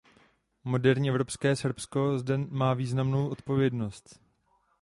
Moderní, evropské Srbsko zde má významnou odpovědnost.